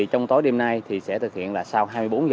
trong tối đêm nay sẽ thực hiện sau hai mươi bốn h